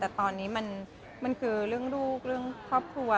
แต่ตอนนี้มันคือเรื่องลูกเรื่องครอบครัว